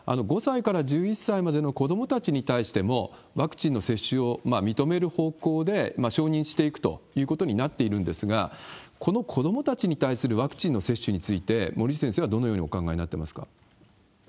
そういう意味では、今政府が５歳から１１歳までの子どもたちに対しても、ワクチンの接種を認める方向で承認していくということになっているんですが、この子どもたちに対するワクチンの接種について、森内先生はどのようにお考えになってますか？